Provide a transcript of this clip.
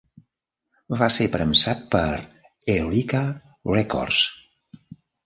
Va ser premsat per Erika Records.